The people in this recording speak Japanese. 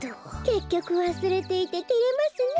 けっきょくわすれていててれますねえ。